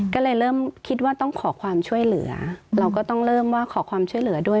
ก็เลยเริ่มคิดว่าต้องขอความช่วยเหลือเราก็ต้องเริ่มว่าขอความช่วยเหลือด้วย